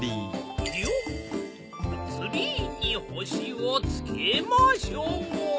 つりーにほしをつけましょう。